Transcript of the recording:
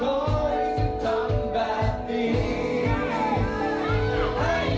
ก็รักเธอจนกว่าเธอจะยอม